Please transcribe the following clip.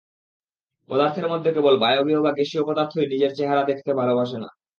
পদার্থের মধ্যে কেবল বায়বীয় বা গ্যাসীয় পদার্থই নিজের চেহারা দেখাতে ভালোবাসে না।